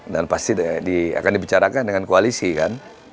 dan pasti akan dibicarakan dengan koalisi kan